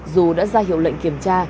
dù đã ra hiệu lệnh kiểm tra